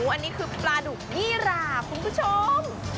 อันนี้คือปลาดุกยี่หราคุณผู้ชม